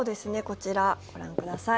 こちら、ご覧ください。